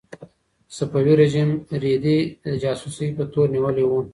صفوي رژیم رېدی د جاسوسۍ په تور نیولی و.